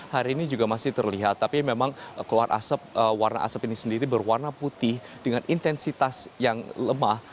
hari ini juga masih terlihat tapi memang keluar asap warna asap ini sendiri berwarna putih dengan intensitas yang lemah